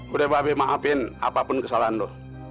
udah mbak be maafin apapun kesalahan lo